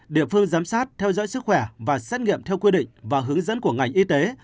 địa phương giám sát theo dõi sức khỏe và xét nghiệm theo quy định và hướng dẫn của ngành y tế